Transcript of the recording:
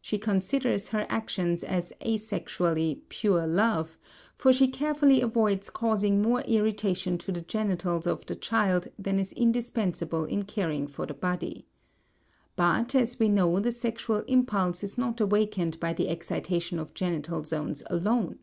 She considers her actions as asexually "pure" love, for she carefully avoids causing more irritation to the genitals of the child than is indispensable in caring for the body. But as we know the sexual impulse is not awakened by the excitation of genital zones alone.